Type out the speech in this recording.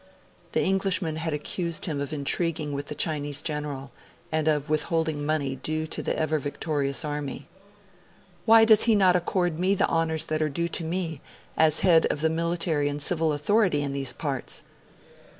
The Englishman had accused him of intriguing with the Chinese general, and of withholding money due to the Ever Victorious Army. 'Why does he not accord me the honours that are due to me, as head of the military and civil authority in these parts?'